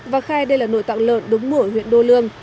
và khai đây là nội tạng lợn đứng ngủ ở huyện đô lương